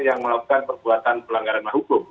yang melakukan perbuatan pelanggaran hukum